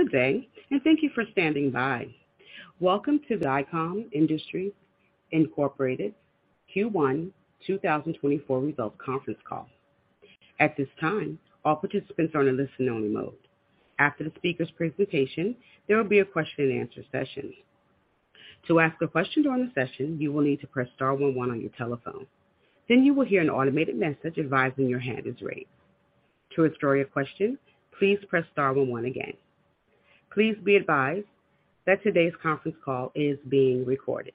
Good day, and thank you for standing by. Welcome to the Dycom Industries Incorporated Q1 2024 Results Conference Call. At this time, all participants are in a listen-only mode. After the speaker's presentation, there will be a question-and-answer session. To ask a question during the session, you will need to press star one one on your telephone. You will hear an automated message advising your hand is raised. To withdraw your question, please press star one one again. Please be advised that today's conference call is being recorded.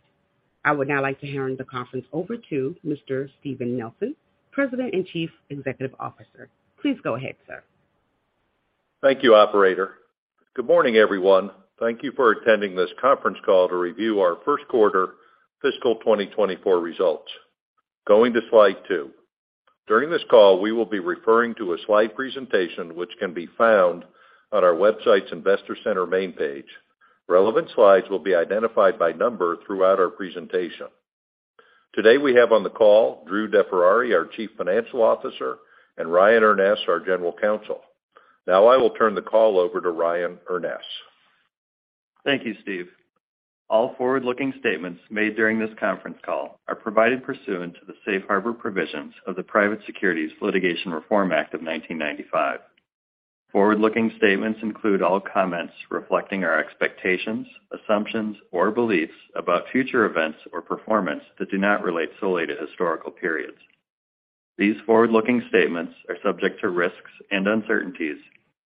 I would now like to hand the conference over to Mr. Steven E. Nielsen, President and Chief Executive Officer. Please go ahead, sir. Thank you, operator. Good morning, everyone. Thank you for attending this conference call to review our first quarter fiscal 2024 results. Going to slide 2. During this call, we will be referring to a slide presentation which can be found on our website's Investor Center main page. Relevant slides will be identified by number throughout our presentation. Today, we have on the call Drew DeFerrari, our Chief Financial Officer, and Ryan Urness, our General Counsel. Now I will turn the call over to Ryan Urness. Thank you, Steve. All forward-looking statements made during this conference call are provided pursuant to the safe harbor provisions of the Private Securities Litigation Reform Act of 1995. Forward-looking statements include all comments reflecting our expectations, assumptions, or beliefs about future events or performance that do not relate solely to historical periods. These forward-looking statements are subject to risks and uncertainties,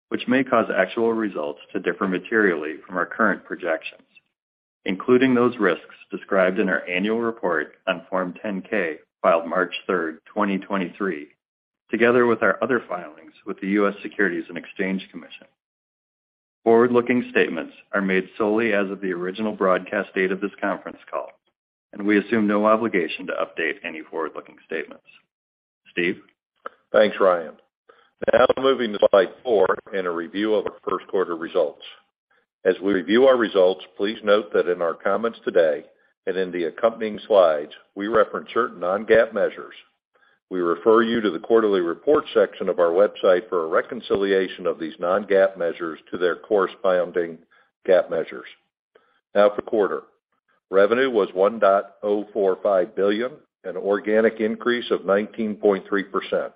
which may cause actual results to differ materially from our current projections, including those risks described in our annual report on Form 10-K filed March third, 2023, together with our other filings with the U.S. Securities and Exchange Commission. Forward-looking statements are made solely as of the original broadcast date of this conference call, and we assume no obligation to update any forward-looking statements. Steve? Thanks, Ryan. Moving to slide 4 in a review of our first quarter results. As we review our results, please note that in our comments today and in the accompanying slides, we reference certain non-GAAP measures. We refer you to the quarterly report section of our website for a reconciliation of these non-GAAP measures to their corresponding GAAP measures. The quarter. Revenue was $1.045 billion, an organic increase of 19.3%.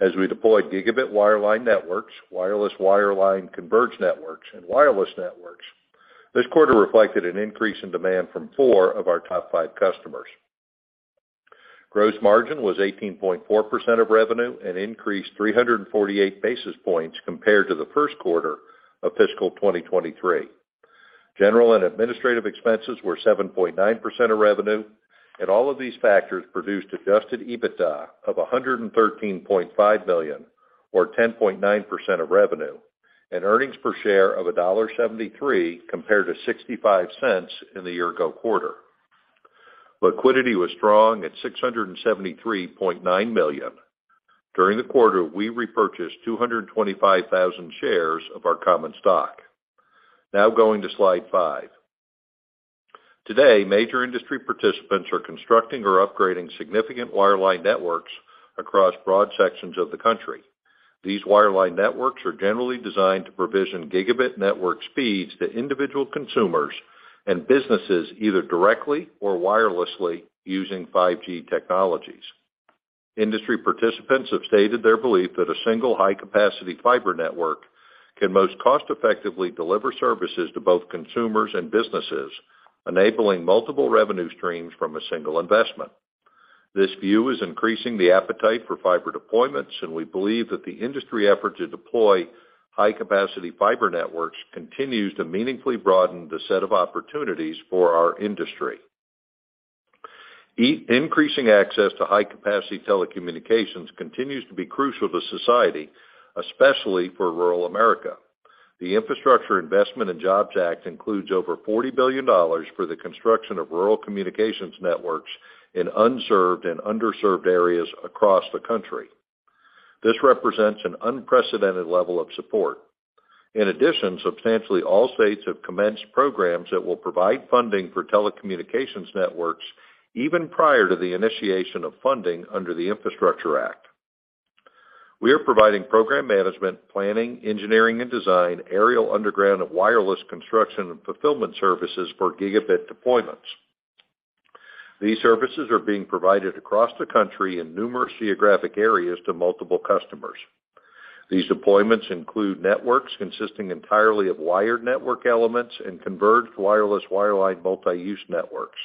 As we deployed gigabit wireline networks, wireless wireline converged networks, and wireless networks, this quarter reflected an increase in demand from four of our top five customers. Gross margin was 18.4% of revenue and increased 348 basis points compared to the first quarter of fiscal 2023. General and administrative expenses were 7.9% of revenue. All of these factors produced Adjusted EBITDA of $113.5 million or 10.9% of revenue, and earnings per share of $1.73 compared to $0.65 in the year-ago quarter. Liquidity was strong at $673.9 million. During the quarter, we repurchased 225,000 shares of our common stock. Going to slide 5. Today, major industry participants are constructing or upgrading significant wireline networks across broad sections of the country. These wireline networks are generally designed to provision gigabit network speeds to individual consumers and businesses, either directly or wirelessly using 5G technologies. Industry participants have stated their belief that a single high-capacity fiber network can most cost-effectively deliver services to both consumers and businesses, enabling multiple revenue streams from a single investment. This view is increasing the appetite for fiber deployments, and we believe that the industry effort to deploy high-capacity fiber networks continues to meaningfully broaden the set of opportunities for our industry. Increasing access to high-capacity telecommunications continues to be crucial to society, especially for rural America. The Infrastructure Investment and Jobs Act includes over $40 billion for the construction of rural communications networks in unserved and underserved areas across the country. This represents an unprecedented level of support. In addition, substantially all states have commenced programs that will provide funding for telecommunications networks even prior to the initiation of funding under the Infrastructure Act. We are providing program management, planning, engineering and design, aerial, underground, and wireless construction and fulfillment services for gigabit deployments. These services are being provided across the country in numerous geographic areas to multiple customers. These deployments include networks consisting entirely of wired network elements and converged wireless wireline multi-use networks.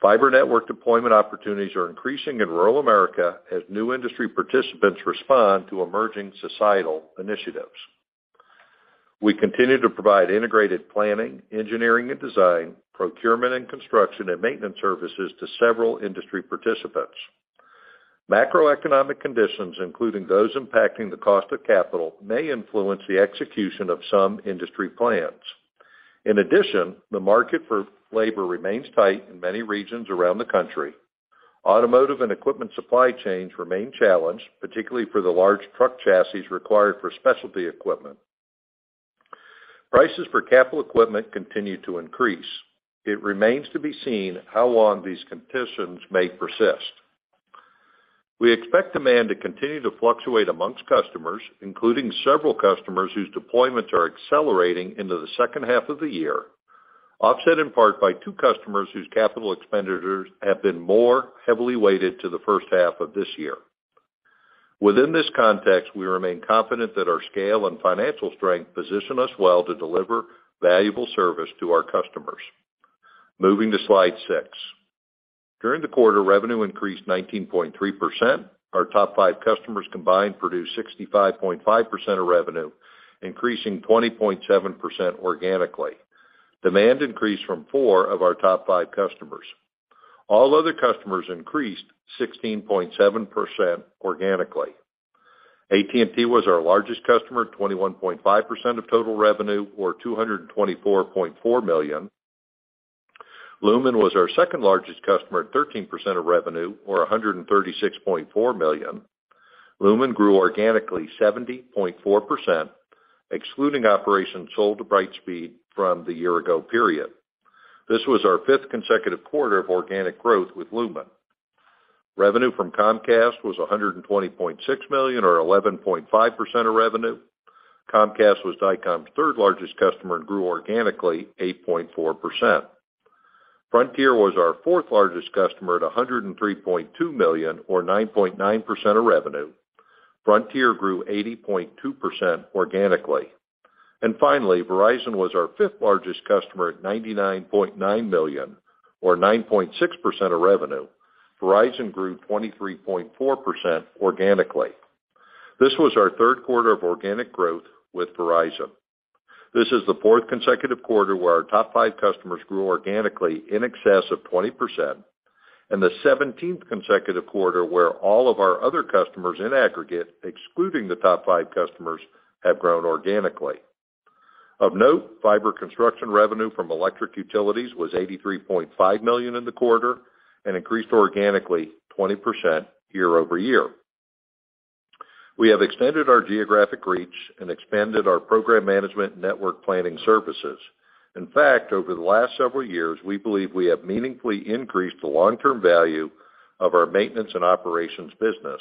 Fiber network deployment opportunities are increasing in rural America as new industry participants respond to emerging societal initiatives. We continue to provide integrated planning, engineering and design, procurement and construction, and maintenance services to several industry participants. Macroeconomic conditions, including those impacting the cost of capital, may influence the execution of some industry plans. In addition, the market for labor remains tight in many regions around the country. Automotive and equipment supply chains remain challenged, particularly for the large truck chassis required for specialty equipment. Prices for capital equipment continue to increase. It remains to be seen how long these conditions may persist. We expect demand to continue to fluctuate amongst customers, including several customers whose deployments are accelerating into the second half of the year, offset in part by two customers whose capital expenditures have been more heavily weighted to the first half of this year. Within this context, we remain confident that our scale and financial strength position us well to deliver valuable service to our customers. Moving to slide six. During the quarter, revenue increased 19.3%. Our top five customers combined produced 65.5% of revenue, increasing 20.7% organically. Demand increased from four of our top five customers. All other customers increased 16.7% organically. AT&T was our largest customer at 21.5% of total revenue, or $224.4 million. Lumen was our second-largest customer at 13% of revenue, or $136.4 million. Lumen grew organically 70.4%, excluding operations sold to Brightspeed from the year ago period. This was our fifth consecutive quarter of organic growth with Lumen. Revenue from Comcast was $120.6 million, or 11.5% of revenue. Comcast was Dycom's third-largest customer, and grew organically 8.4%. Frontier was our fourth-largest customer at $103.2 million, or 9.9% of revenue. Frontier grew 80.2% organically. Finally, Verizon was our fifth-largest customer at $99.9 million, or 9.6% of revenue. Verizon grew 23.4% organically. This was our third quarter of organic growth with Verizon. This is the fourth consecutive quarter where our top five customers grew organically in excess of 20%, and the 17th consecutive quarter where all of our other customers in aggregate, excluding the top five customers, have grown organically. Of note, fiber construction revenue from electric utilities was $83.5 million in the quarter and increased organically 20% year-over-year. We have extended our geographic reach and expanded our program management network planning services. In fact, over the last several years, we believe we have meaningfully increased the long-term value of our maintenance and operations business,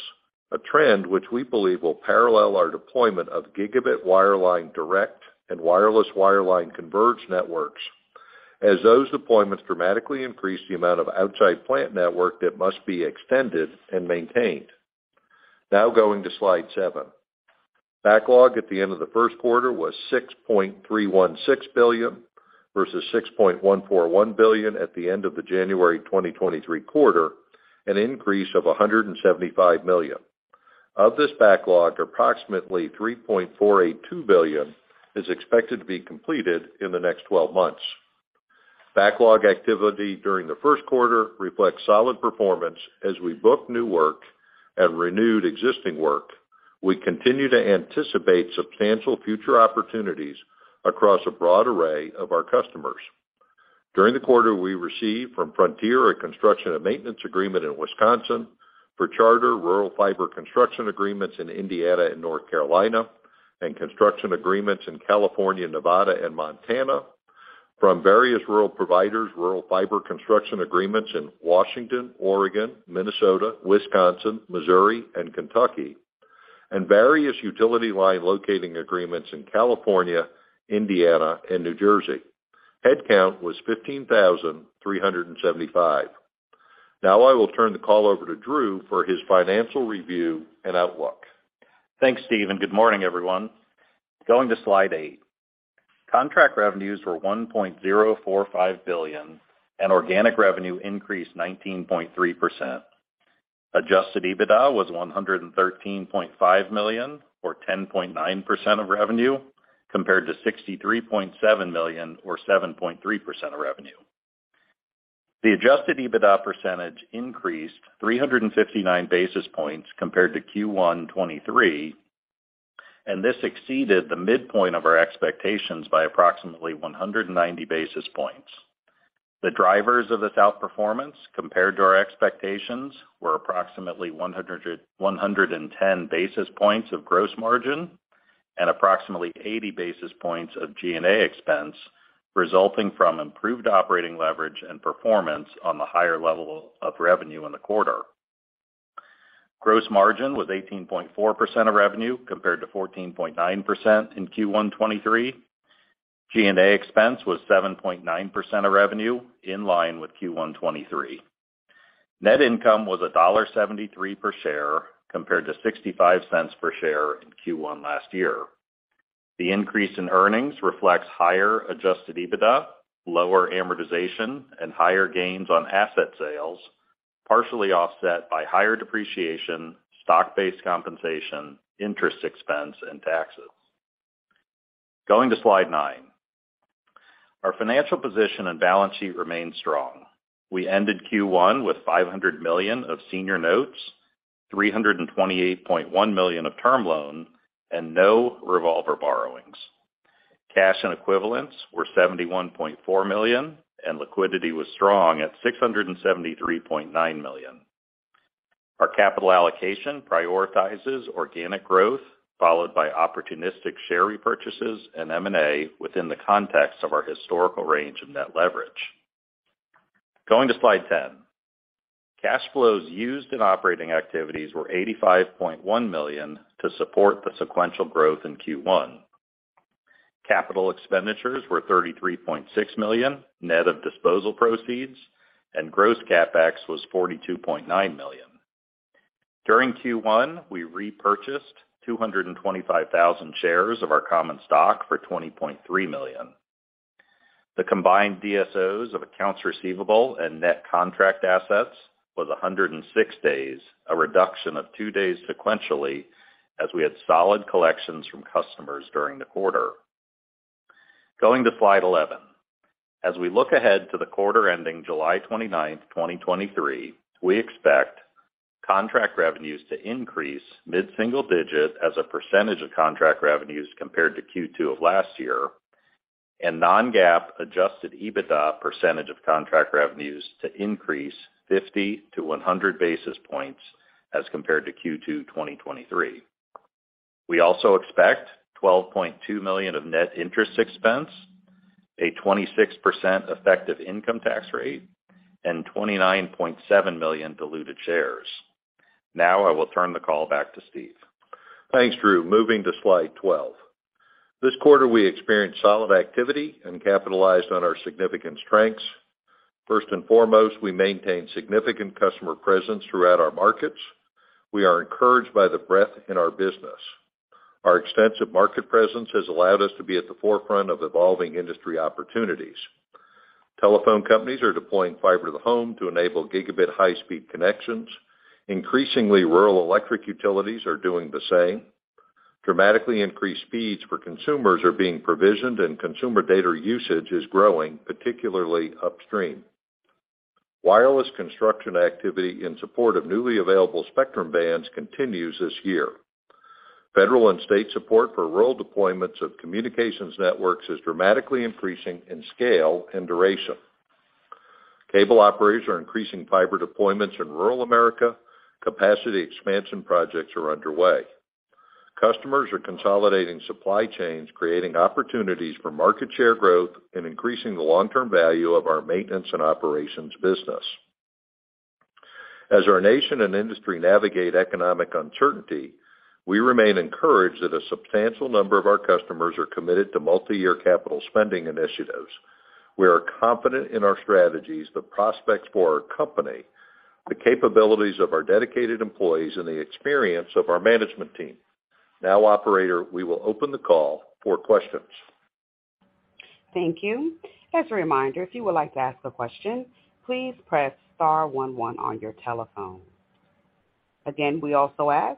a trend which we believe will parallel our deployment of gigabit wireline direct and wireless wireline converged networks as those deployments dramatically increase the amount of outside plant network that must be extended and maintained. Now, going to slide seven. Backlog at the end of the first quarter was $6.316 billion, versus $6.141 billion at the end of the January 2023 quarter, an increase of $175 million. Of this backlog, approximately $3.482 billion is expected to be completed in the next 12 months. Backlog activity during the first quarter reflects solid performance as we book new work and renewed existing work. We continue to anticipate substantial future opportunities across a broad array of our customers. During the quarter, we received from Frontier a construction and maintenance agreement in Wisconsin for Charter rural fiber construction agreements in Indiana and North Carolina, and construction agreements in California, Nevada, and Montana. From various rural providers, rural fiber construction agreements in Washington, Oregon, Minnesota, Wisconsin, Missouri, and Kentucky, and various utility line locating agreements in California, Indiana, and New Jersey. Headcount was 15,375. I will turn the call over to Drew for his financial review and outlook. Thanks, Steve. Good morning, everyone. Going to slide 8. Contract revenues were $1.045 billion. Organic revenue increased 19.3%. Adjusted EBITDA was $113.5 million, or 10.9% of revenue, compared to $63.7 million, or 7.3% of revenue. The Adjusted EBITDA percentage increased 359 basis points compared to Q1 '23. This exceeded the midpoint of our expectations by approximately 190 basis points. The drivers of this outperformance compared to our expectations were approximately 110 basis points of gross margin and approximately 80 basis points of G&A expense, resulting from improved operating leverage and performance on the higher level of revenue in the quarter. Gross margin was 18.4% of revenue compared to 14.9% in Q1 2023. G&A expense was 7.9% of revenue, in line with Q1 2023. Net income was $1.73 per share, compared to $0.65 per share in Q1 last year. The increase in earnings reflects higher Adjusted EBITDA, lower amortization, and higher gains on asset sales, partially offset by higher depreciation, stock-based compensation, interest expense, and taxes. Going to slide 9. Our financial position and balance sheet remain strong. We ended Q1 with $500 million of senior notes, $328.1 million of term loan, and no revolver borrowings. Cash and equivalents were $71.4 million, and liquidity was strong at $673.9 million. Our capital allocation prioritizes organic growth, followed by opportunistic share repurchases and M&A within the context of our historical range of net leverage. Going to slide 10. Cash flows used in operating activities were $85.1 million to support the sequential growth in Q1. Capital expenditures were $33.6 million, net of disposal proceeds, and gross CapEx was $42.9 million. During Q1, we repurchased 225,000 shares of our common stock for $20.3 million. The combined DSOs of accounts receivable and net contract assets was 106 days, a reduction of two days sequentially as we had solid collections from customers during the quarter. Going to slide 11. As we look ahead to the quarter ending July 29th, 2023, we expect contract revenues to increase mid-single digit as a percentage of contract revenues compared to Q2 of last year, and non-GAAP Adjusted EBITDA percentage of contract revenues to increase 50-100 basis points as compared to Q2 2023. We also expect $12.2 million of net interest expense, a 26% effective income tax rate, and 29.7 million diluted shares. I will turn the call back to Steve. Thanks, Drew. Moving to slide 12. This quarter, we experienced solid activity and capitalized on our significant strengths. First and foremost, we maintain significant customer presence throughout our markets. We are encouraged by the breadth in our business. Our extensive market presence has allowed us to be at the forefront of evolving industry opportunities. Telephone companies are deploying fiber to the home to enable gigabit high-speed connections. Increasingly, rural electric utilities are doing the same. Dramatically increased speeds for consumers are being provisioned, and consumer data usage is growing, particularly upstream. Wireless construction activity in support of newly available spectrum bands continues this year. Federal and state support for rural deployments of communications networks is dramatically increasing in scale and duration. Cable operators are increasing fiber deployments in rural America. Capacity expansion projects are underway. Customers are consolidating supply chains, creating opportunities for market share growth and increasing the long-term value of our maintenance and operations business. As our nation and industry navigate economic uncertainty, we remain encouraged that a substantial number of our customers are committed to multi-year capital spending initiatives. We are confident in our strategies, the prospects for our company, the capabilities of our dedicated employees, and the experience of our management team. Now, operator, we will open the call for questions. Thank you. As a reminder, if you would like to ask a question, please press star one one on your telephone. We also ask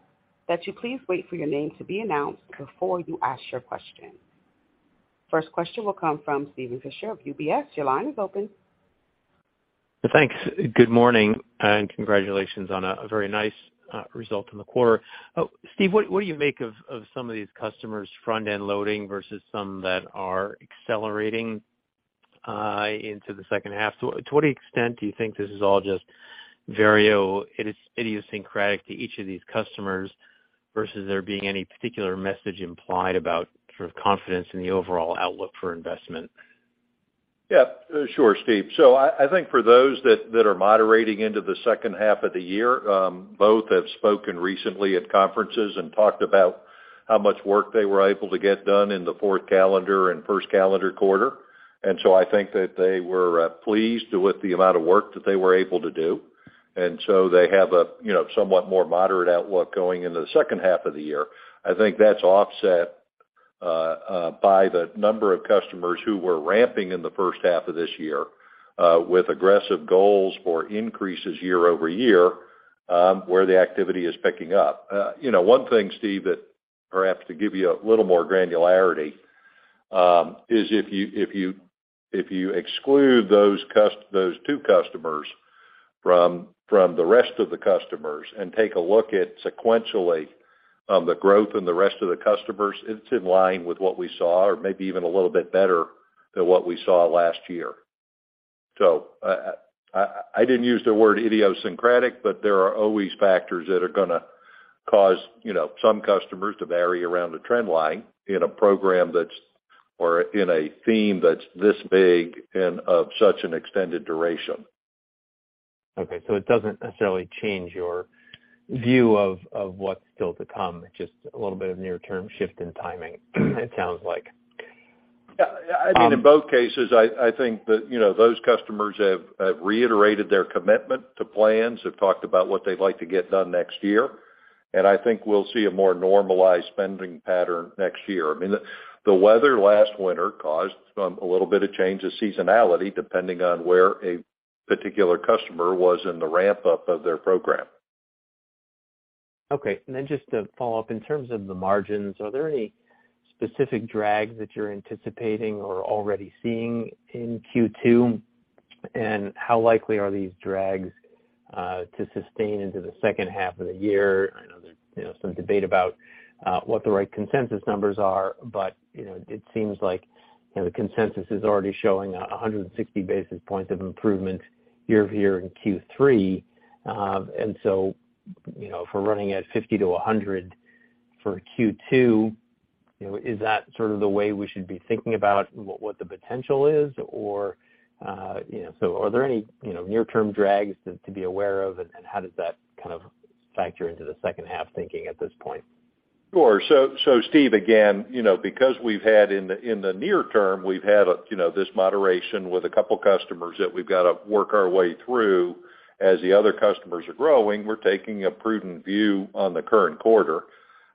that you please wait for your name to be announced before you ask your question. First question will come from Steven Fisher of UBS. Your line is open. Thanks. Good morning. Congratulations on a very nice result in the quarter. Steve, what do you make of some of these customers front-end loading versus some that are accelerating into the second half? To what extent do you think this is all just very idiosyncratic to each of these customers versus there being any particular message implied about sort of confidence in the overall outlook for investment? Yeah. Sure, Steve. I think for those that are moderating into the second half of the year, both have spoken recently at conferences and talked about how much work they were able to get done in the fourth calendar and first calendar quarter. I think that they were pleased with the amount of work that they were able to do. They have a, you know, somewhat more moderate outlook going into the second half of the year. I think that's offset by the number of customers who were ramping in the first half of this year, with aggressive goals for increases year-over-year, where the activity is picking up. You know, one thing, Steve, that perhaps to give you a little more granularity, is if you exclude those two customers from the rest of the customers and take a look at sequentially, the growth in the rest of the customers, it's in line with what we saw or maybe even a little bit better than what we saw last year. I didn't use the word idiosyncratic, but there are always factors that are gonna cause, you know, some customers to vary around a trend line in a program that's or in a theme that's this big and of such an extended duration. Okay. It doesn't necessarily change your view of what's still to come, just a little bit of near-term shift in timing, it sounds like. Yeah. I mean, in both cases, I think that, you know, those customers have reiterated their commitment to plans. They've talked about what they'd like to get done next year. I think we'll see a more normalized spending pattern next year. I mean, the weather last winter caused some a little bit of change of seasonality depending on where a particular customer was in the ramp-up of their program. Okay. Just to follow up, in terms of the margins, are there any specific drags that you're anticipating or already seeing in Q2? How likely are these drags to sustain into the second half of the year? I know there's, you know, some debate about what the right consensus numbers are, but, you know, it seems like, you know, the consensus is already showing 160 basis points of improvement year-over-year in Q3. You know, if we're running at 50 to 100 for Q2? You know, is that sort of the way we should be thinking about what the potential is? You know, are there any, you know, near-term drags to be aware of and how does that kind of factor into the second half thinking at this point? Sure. Steve, again, you know, because we've had in the near term, we've had, you know, this moderation with a couple customers that we've gotta work our way through as the other customers are growing, we're taking a prudent view on the current quarter.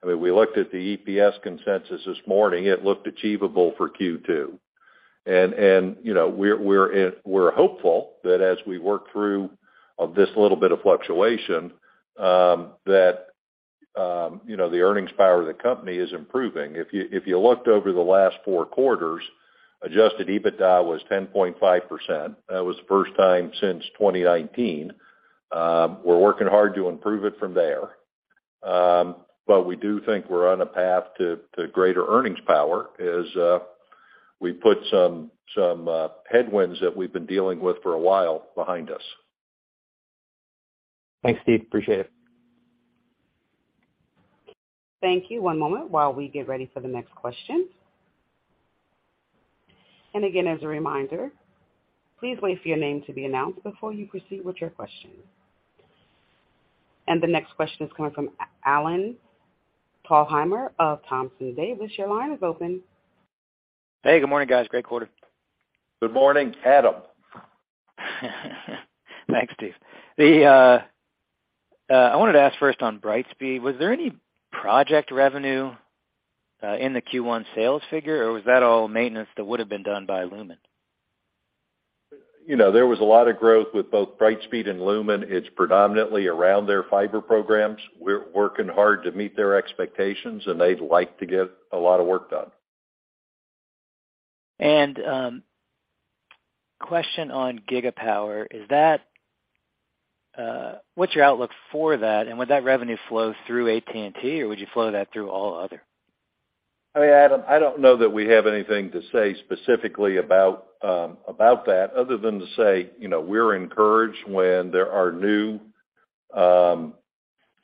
I mean, we looked at the EPS consensus this morning, it looked achievable for Q2. You know, we're hopeful that as we work through this little bit of fluctuation, that, you know, the earnings power of the company is improving. If you looked over the last four quarters, Adjusted EBITDA was 10.5%. That was the first time since 2019. We're working hard to improve it from there. We do think we're on a path to greater earnings power as we put some headwinds that we've been dealing with for a while behind us. Thanks, Steve. Appreciate it. Thank you. One moment while we get ready for the next question. Again, as a reminder, please wait for your name to be announced before you proceed with your question. The next question is coming from Adam Thalhimer of Thompson Davis. Your line is open. Hey, good morning, guys. Great quarter. Good morning, Adam. Thanks, Steve. I wanted to ask first on Brightspeed, was there any project revenue, in the Q1 sales figure, or was that all maintenance that would have been done by Lumen? You know, there was a lot of growth with both Brightspeed and Lumen. It's predominantly around their fiber programs. We're working hard to meet their expectations, and they'd like to get a lot of work done. Question on Gigapower. Is that what's your outlook for that, and would that revenue flow through AT&T, or would you flow that through all other? I mean, Adam, I don't know that we have anything to say specifically about that other than to say, you know, we're encouraged when there are new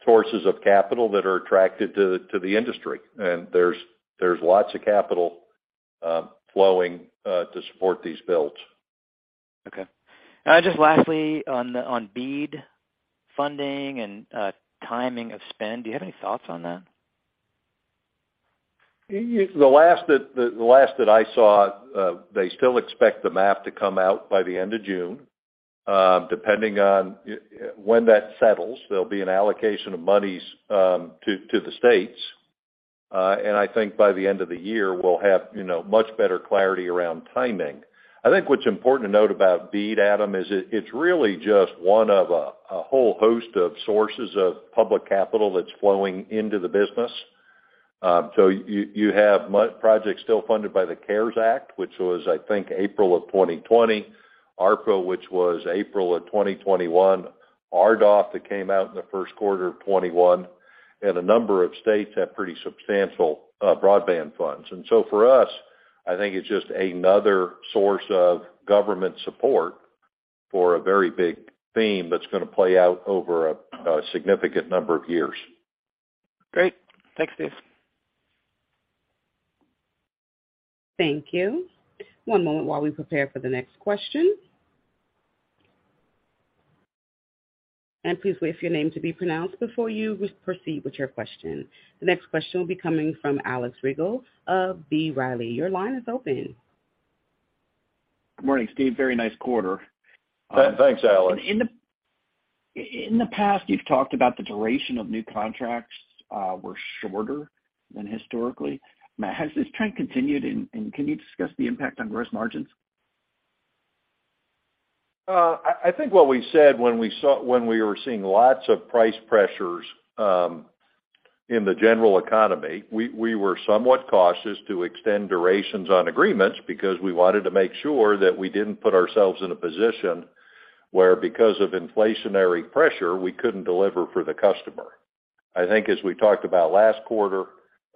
sources of capital that are attracted to the industry. There's lots of capital flowing to support these builds. Okay. Just lastly, on BEAD funding and timing of spend, do you have any thoughts on that? The last that I saw, they still expect the map to come out by the end of June. Depending on when that settles, there'll be an allocation of monies to the states. I think by the end of the year, we'll have, you know, much better clarity around timing. I think what's important to note about BEAD, Adam, is it's really just one of a whole host of sources of public capital that's flowing into the business. So you have projects still funded by the CARES Act, which was, I think, April of 2020, ARPA, which was April of 2021, RDOF that came out in the first quarter of 2021, and a number of states have pretty substantial broadband funds. For us, I think it's just another source of government support for a very big theme that's gonna play out over a significant number of years. Great. Thanks, Steve. Thank you. One moment while we prepare for the next question. Please wait for your name to be pronounced before you proceed with your question. The next question will be coming from Alex Rygiel of B. Riley. Your line is open. Good morning, Steve. Very nice quarter. Thanks, Alex. In the past, you've talked about the duration of new contracts, were shorter than historically. Has this trend continued, and can you discuss the impact on gross margins? I think what we said when we were seeing lots of price pressures in the general economy, we were somewhat cautious to extend durations on agreements because we wanted to make sure that we didn't put ourselves in a position where because of inflationary pressure, we couldn't deliver for the customer. I think as we talked about last quarter,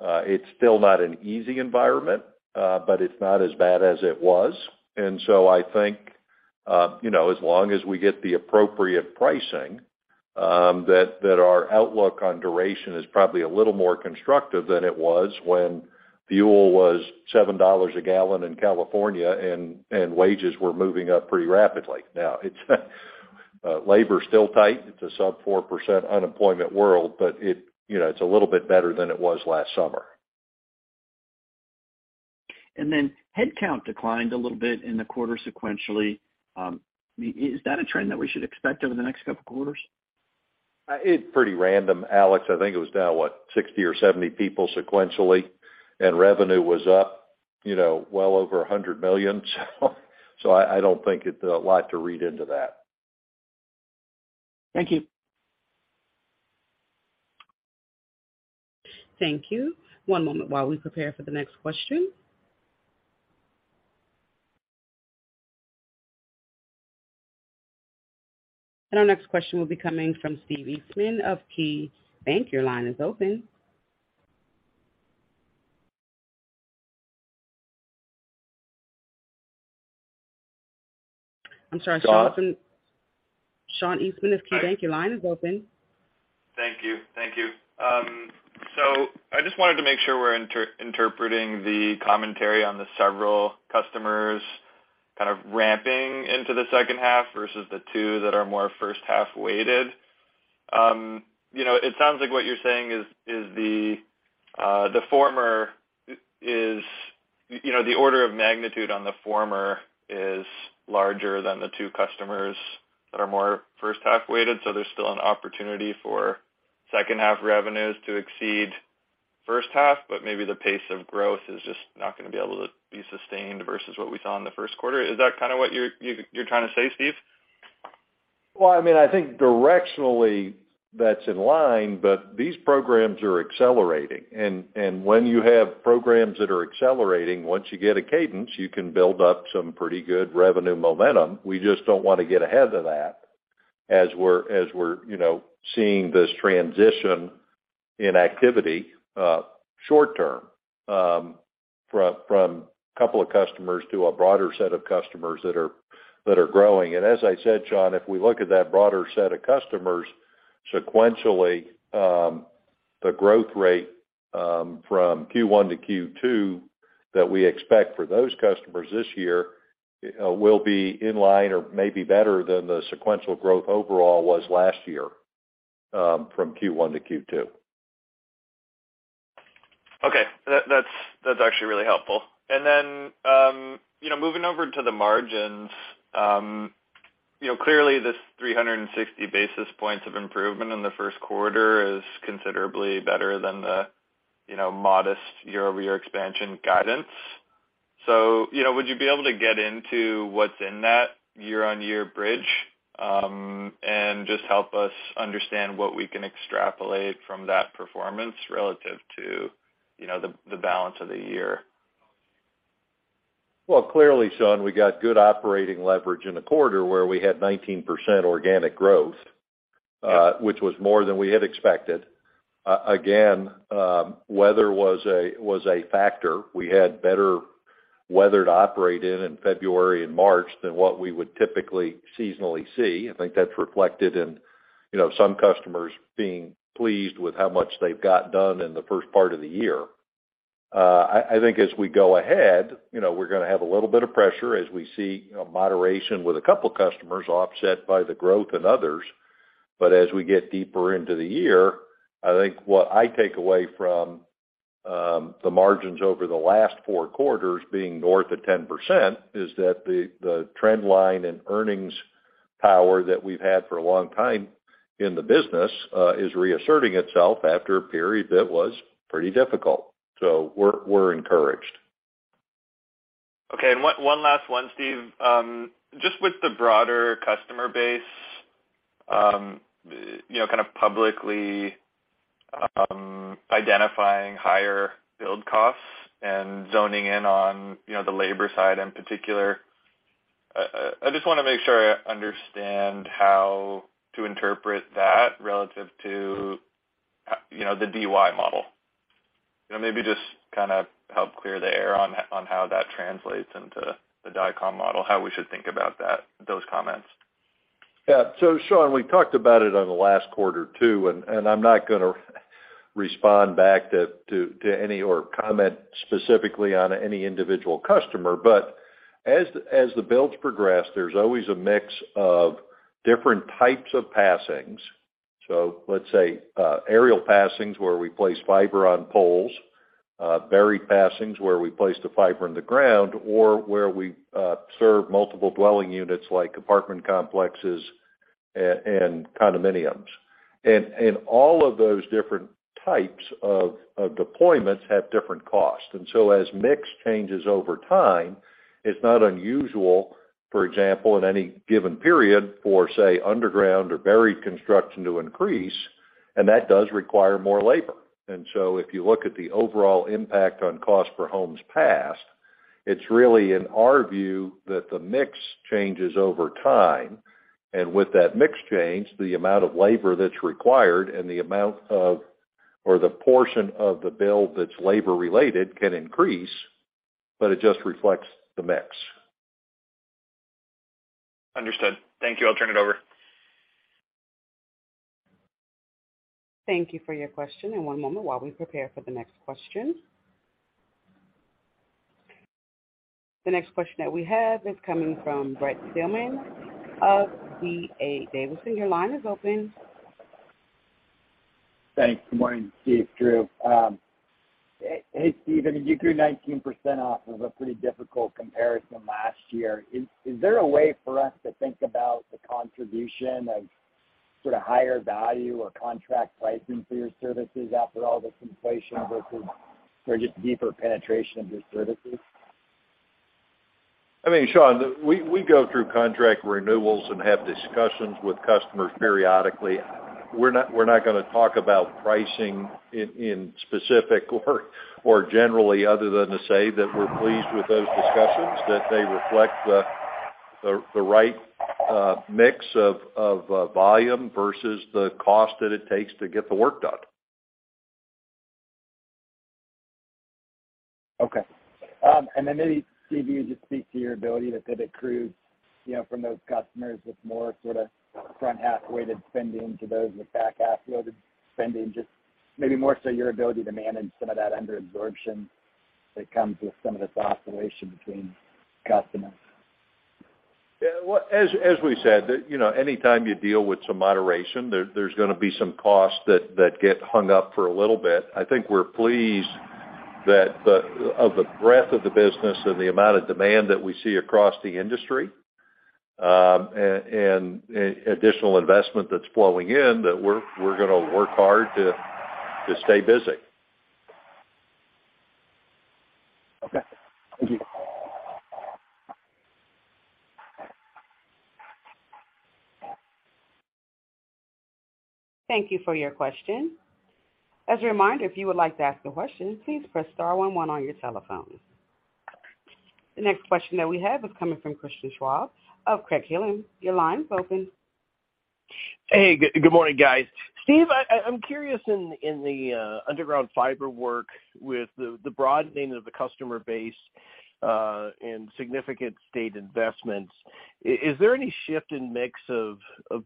it's still not an easy environment, but it's not as bad as it was. I think, you know, as long as we get the appropriate pricing, that our outlook on duration is probably a little more constructive than it was when fuel was $7 a gallon in California and wages were moving up pretty rapidly. Now, it's labor's still tight. It's a sub 4% unemployment world, but it, you know, it's a little bit better than it was last summer. Headcount declined a little bit in the quarter sequentially. Is that a trend that we should expect over the next couple quarters? It's pretty random, Alex. I think it was down, what, 60 or 70 people sequentially, and revenue was up, you know, well over $100 million. I don't think a lot to read into that. Thank you. Thank you. One moment while we prepare for the next question. Our next question will be coming from Sean Eastman of KeyBanc. Your line is open. I'm sorry, Sean Eastman, KeyBanc, your line is open. Thank you. Thank you. I just wanted to make sure we're interpreting the commentary on the several customers kind of ramping into the second half versus the two that are more first half weighted. you know, it sounds like what you're saying is, the former is, you know, the order of magnitude on the former is larger than the two customers that are more first half weighted. There's still an opportunity for second half revenues to exceed first half, but maybe the pace of growth is just not going to be able to be sustained versus what we saw in the first quarter. Is that kind of what you're trying to say, Steve? I mean, I think directionally that's in line, but these programs are accelerating. When you have programs that are accelerating, once you get a cadence, you can build up some pretty good revenue momentum. We just don't want to get ahead of that as we're, you know, seeing this transition in activity short term from a couple of customers to a broader set of customers that are growing. As I said, Sean, if we look at that broader set of customers sequentially, the growth rate from Q1 to Q2 that we expect for those customers this year will be in line or maybe better than the sequential growth overall was last year from Q1 to Q2. That's actually really helpful. You know, moving over to the margins, you know, clearly this 360 basis points of improvement in the first quarter is considerably better than the, you know, modest year-over-year expansion guidance. You know, would you be able to get into what's in that year-on-year bridge and just help us understand what we can extrapolate from that performance relative to, you know, the balance of the year? Well, clearly, Sean, we got good operating leverage in a quarter where we had 19% organic growth, which was more than we had expected. Again, weather was a factor. We had better weather to operate in February and March than what we would typically seasonally see. I think that's reflected in, you know, some customers being pleased with how much they've got done in the first part of the year. I think as we go ahead, you know, we're going to have a little bit of pressure as we see, you know, moderation with a couple of customers offset by the growth in others. As we get deeper into the year, I think what I take away from the margins over the last 4 quarters being north of 10% is that the trend line and earnings power that we've had for a long time in the business is reasserting itself after a period that was pretty difficult. We're encouraged. Okay. One last one, Steve. Just with the broader customer base, you know, kind of publicly, identifying higher build costs and zoning in on, you know, the labor side in particular, I just want to make sure I understand how to interpret that relative to, you know, the DY model. You know, maybe just kind of help clear the air on how that translates into the Dycom model, how we should think about that, those comments. Sean, we talked about it on the last quarter too, and I'm not going to respond back to any or comment specifically on any individual customer. As the builds progress, there's always a mix of different types of passings. Let's say, aerial passings, where we place fiber on poles, buried passings, where we place the fiber in the ground or where we serve multiple dwelling units like apartment complexes and condominiums. All of those different types of deployments have different costs. As mix changes over time, it's not unusual, for example, in any given period for say, underground or buried construction to increase, and that does require more labor. If you look at the overall impact on cost per homes passed, it's really in our view that the mix changes over time. With that mix change, the amount of labor that's required and the amount of, or the portion of the build that's labor-related can increase, but it just reflects the mix. Understood. Thank you. I'll turn it over. Thank you for your question. One moment while we prepare for the next question. The next question that we have is coming from Brent Thielman of D.A. Davidson & Co. Your line is open. Thanks. Good morning, Steve, Drew. Hey, Steven, you grew 19% off of a pretty difficult comparison last year. Is there a way for us to think about the contribution of sort of higher value or contract pricing for your services after all this inflation versus just deeper penetration of your services? I mean, Sean, we go through contract renewals and have discussions with customers periodically. We're not going to talk about pricing in specific or generally other than to say that we're pleased with those discussions, that they reflect the right mix of volume versus the cost that it takes to get the work done. Okay. Maybe Steve, you just speak to your ability to pivot crews, you know, from those customers with more sorta front half-weighted spending to those with back half-loaded spending, just maybe more so your ability to manage some of that under absorption that comes with some of this oscillation between customers? Yeah. Well, as we said, that, you know, anytime you deal with some moderation, there's gonna be some costs that get hung up for a little bit. I think we're pleased of the breadth of the business and the amount of demand that we see across the industry, and additional investment that's flowing in, that we're gonna work hard to stay busy. Okay. Thank you. Thank you for your question. As a reminder, if you would like to ask a question, please press star one on your telephone. The next question that we have is coming from Christian Schwab of Craig-Hallum. Your line's open. Hey, good morning, guys. Steve, I'm curious in the underground fiber work with the broadening of the customer base, and significant state investments, is there any shift in mix of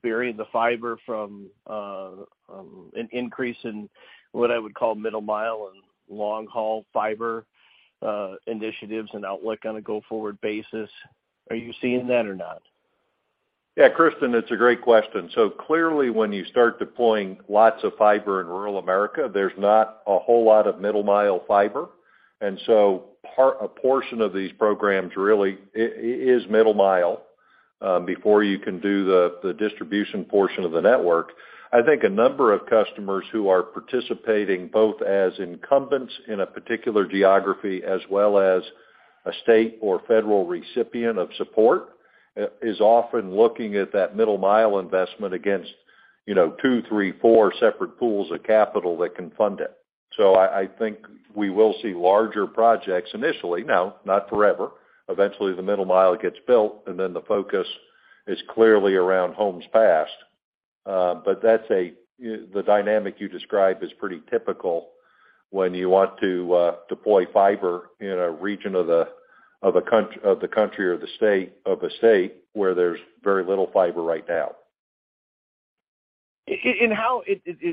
burying the fiber from an increase in what I would call middle mile and long-haul fiber initiatives and outlook on a go-forward basis? Are you seeing that or not? Yeah, Christian, it's a great question. Clearly, when you start deploying lots of fiber in rural America, there's not a whole lot of middle mile fiber. A portion of these programs really is middle mile before you can do the distribution portion of the network. I think a number of customers who are participating both as incumbents in a particular geography as well as a state or federal recipient of support is often looking at that middle mile investment against, you know, two, three, four separate pools of capital that can fund it. I think we will see larger projects initially. Not forever. Eventually, the middle mile gets built, and then the focus is clearly around homes passed. That's the dynamic you described is pretty typical when you want to deploy fiber in a region of the country or the state, of a state where there's very little fiber right now. How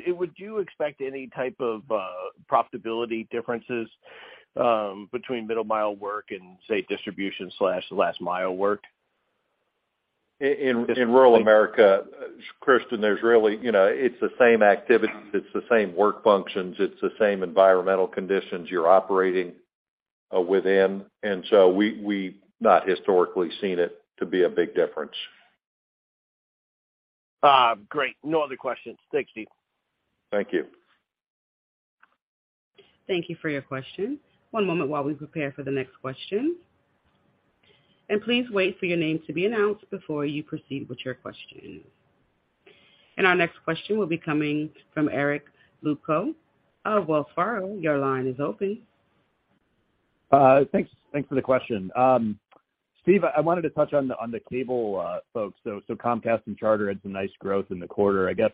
would you expect any type of profitability differences between middle mile work and state distribution/last mile work? In rural America, Christian, there's really, you know, it's the same activities, it's the same work functions, it's the same environmental conditions you're operating within. We've not historically seen it to be a big difference. Great. No other questions. Thanks, Steve. Thank you. Thank you for your question. One moment while we prepare for the next question. Please wait for your name to be announced before you proceed with your question. Our next question will be coming from Eric Luebchow of Wells Fargo. Your line is open. Thanks for the question. Steve, I wanted to touch on the cable folks. Comcast and Charter had some nice growth in the quarter. I guess,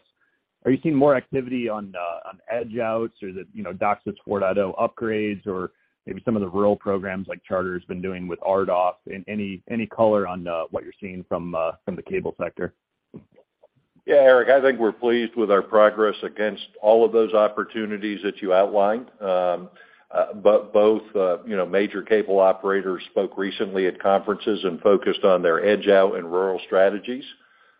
are you seeing more activity on edge outs or the, you know, DOCSIS 4.0 upgrades or maybe some of the rural programs like Charter's been doing with RDOF? Any color on what you're seeing from the cable sector? Yeah, Eric, I think we're pleased with our progress against all of those opportunities that you outlined. Both, you know, major cable operators spoke recently at conferences and focused on their edge out and rural strategies,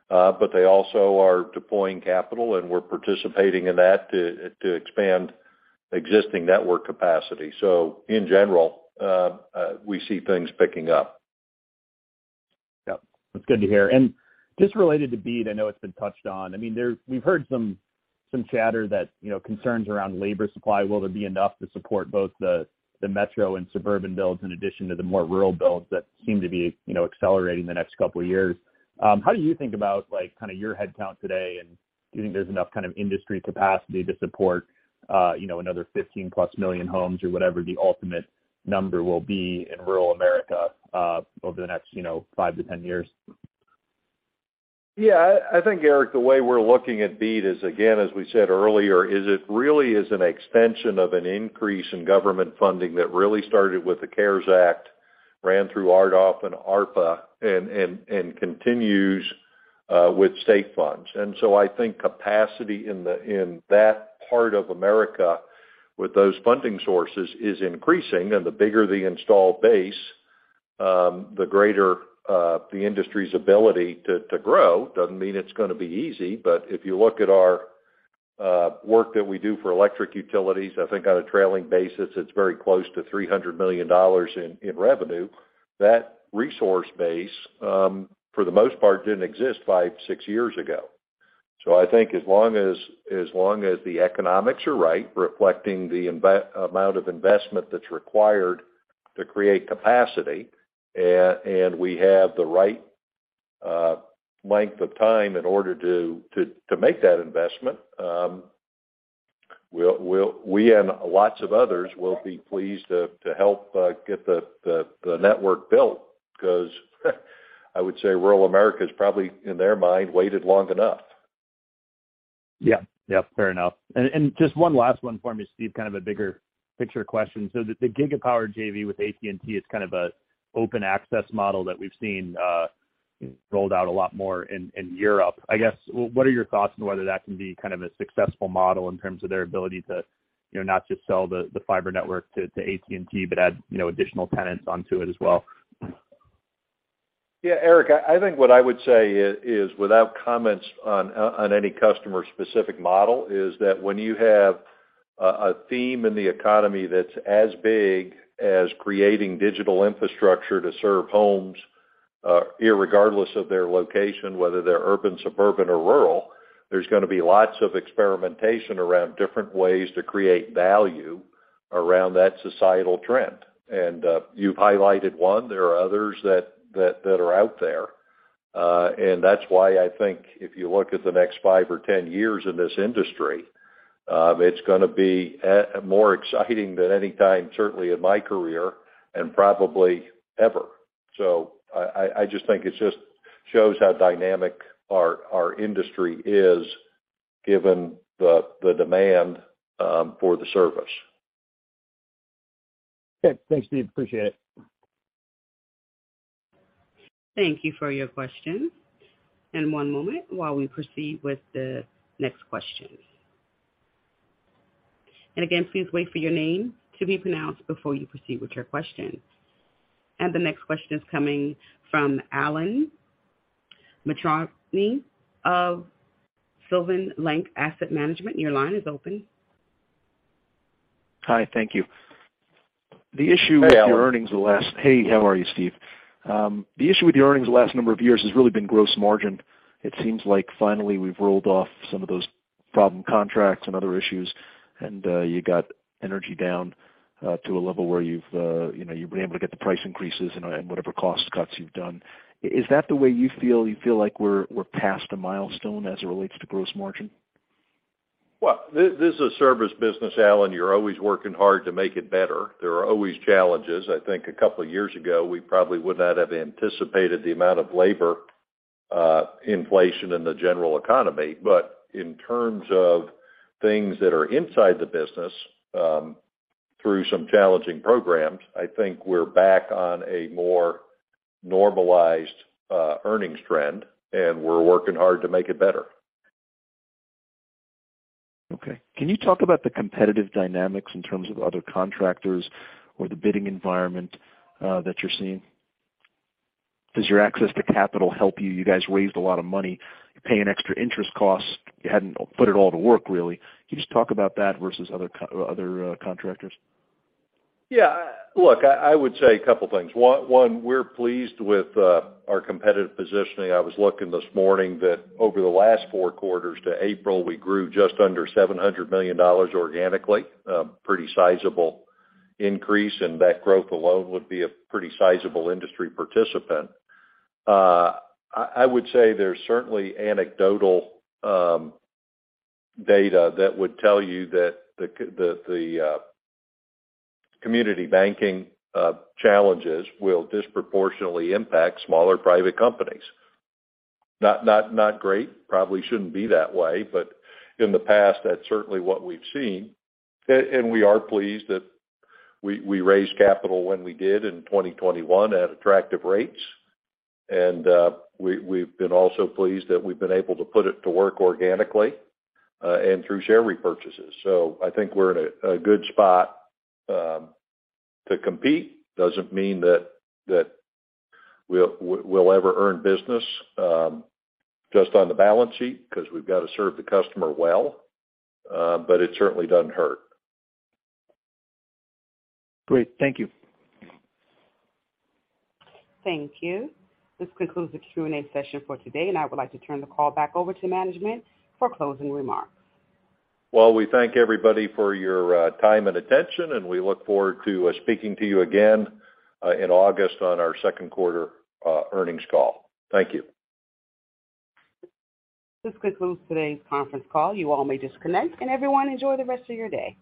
but they also are deploying capital, and we're participating in that to expand existing network capacity. In general, we see things picking up. Yep. That's good to hear. Just related to BEAD, I know it's been touched on. I mean, we've heard some chatter that, you know, concerns around labor supply, will there be enough to support both the metro and suburban builds in addition to the more rural builds that seem to be, you know, accelerating the next couple of years. How do you think about, like, kinda your headcount today, and do you think there's enough kind of industry capacity to support, you know, another 15-plus million homes or whatever the ultimate number will be in rural America, over the next, you know, 5-10 years? Yeah. I think, Eric, the way we're looking at BEAD is again, as we said earlier, it really is an extension of an increase in government funding that really started with the CARES Act, ran through RDOF and ARPA, and continues with state funds. I think capacity in that part of America with those funding sources is increasing. The bigger the installed base, the greater the industry's ability to grow. Doesn't mean it's gonna be easy, but if you look at our work that we do for electric utilities, I think on a trailing basis, it's very close to $300 million in revenue. That resource base, for the most part, didn't exist five, six years ago. I think as long as long as the economics are right, reflecting the amount of investment that's required to create capacity, and we have the right length of time in order to make that investment, we'll we and lots of others will be pleased to help get the network built. 'Cause I would say rural America has probably, in their mind, waited long enough. Yeah. Yep, fair enough. Just one last one for me, Steve, kind of a bigger picture question. The Gigapower JV with AT&T is kind of an open access model that we've seen rolled out a lot more in Europe. I guess, what are your thoughts on whether that can be kind of a successful model in terms of their ability to, you know, not just sell the fiber network to AT&T, but add, you know, additional tenants onto it as well? Yeah, Eric, I think what I would say is, without comments on any customer-specific model, is that when you have a theme in the economy that's as big as creating digital infrastructure to serve homes, irregardless of their location, whether they're urban, suburban or rural, there's gonna be lots of experimentation around different ways to create value around that societal trend. You've highlighted one. There are others that are out there. That's why I think if you look at the next five or 10 years in this industry, it's gonna be more exciting than any time, certainly in my career, and probably ever. I just think it just shows how dynamic our industry is given the demand for the service. Okay. Thanks, Steve. Appreciate it. Thank you for your question. One moment while we proceed with the next question. Again, please wait for your name to be pronounced before you proceed with your question. The next question is coming from Alan Mitrani of Sylvan Lake Asset Management. Your line is open. Hi. Thank you. Hey, Alan. The issue with your earnings the last. Hey, how are you, Steve? The issue with your earnings the last number of years has really been gross margin. It seems like finally we've rolled off some of those problem contracts and other issues, and you got energy down to a level where you've, you know, you've been able to get the price increases and whatever cost cuts you've done. Is that the way you feel? You feel like we're past a milestone as it relates to gross margin? Well, this is a service business, Alan. You're always working hard to make it better. There are always challenges. I think a couple of years ago, we probably would not have anticipated the amount of labor inflation in the general economy. In terms of things that are inside the business, through some challenging programs, I think we're back on a more normalized earnings trend, and we're working hard to make it better. Okay. Can you talk about the competitive dynamics in terms of other contractors or the bidding environment that you're seeing? Does your access to capital help you? You guys raised a lot of money. You're paying extra interest costs. You hadn't put it all to work really. Can you just talk about that versus other contractors? Yeah. Look, I would say a couple things. One, we're pleased with our competitive positioning. I was looking this morning that over the last four quarters to April, we grew just under $700 million organically, a pretty sizable increase, and that growth alone would be a pretty sizable industry participant. I would say there's certainly anecdotal data that would tell you that the community banking challenges will disproportionately impact smaller private companies. Not great. Probably shouldn't be that way, but in the past, that's certainly what we've seen. We are pleased that we raised capital when we did in 2021 at attractive rates. We've been also pleased that we've been able to put it to work organically and through share repurchases. I think we're in a good spot to compete. Doesn't mean that we'll ever earn business just on the balance sheet, 'cause we've got to serve the customer well, but it certainly doesn't hurt. Great. Thank you. Thank you. This concludes the Q&A session for today, and I would like to turn the call back over to management for closing remarks. Well, we thank everybody for your time and attention, and we look forward to speaking to you again in August on our second quarter earnings call. Thank you. This concludes today's conference call. You all may disconnect, and everyone, enjoy the rest of your day.